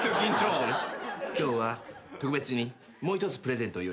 今日は特別にもう一つプレゼントを用意しました。